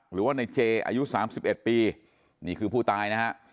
หรือว่าหน้าเจอะอายุ๓๑ปีนี่คือผู้ตายนะครับ